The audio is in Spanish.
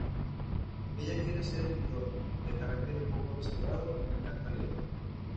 Ella quiere ser escritora, de carácter un poco reservado y le encanta leer.